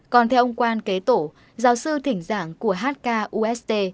còn theo ông quan kế tổ giáo sư thỉnh giảng của hkust